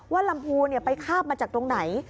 ลำพูไปคาบมาจากตรงไหน